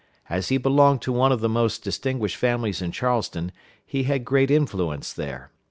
As he belonged to one of the most distinguished families in Charleston, he had great influence there.